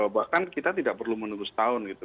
bahkan kita tidak perlu menerus tahun gitu